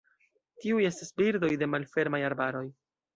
Tiuj estas birdoj de malfermaj arbaroj.